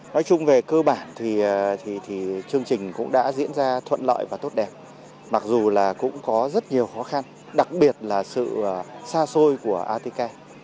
nói chung về cơ bản thì chương trình cũng đã diễn ra thuận lợi và tốt đẹp mặc dù là cũng có rất nhiều khó khăn đặc biệt là sự xa xôi của atica